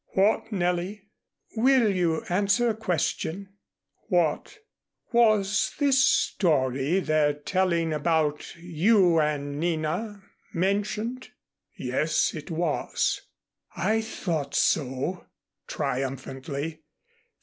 "What, Nellie?" "Will you answer a question?" "What?" "Was this story they're telling about you and Nina mentioned?" "Yes, it was." "I thought so," triumphantly.